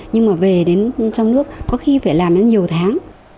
nhưng mà về đến trong nước có khi phải làm đến nhiều tháng